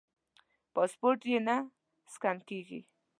پاسپورټ یې نه سکېن کېږي.